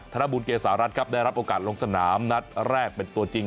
ธนบุญเกษารัฐครับได้รับโอกาสลงสนามนัดแรกเป็นตัวจริง